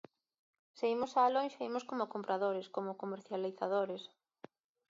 Se imos á lonxa imos como compradores, como comercializadores.